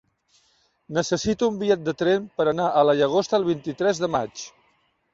Necessito un bitllet de tren per anar a la Llagosta el vint-i-tres de maig.